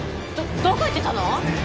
どどこ行ってたの？